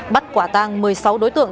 bắt quả tăng một mươi sáu đối tượng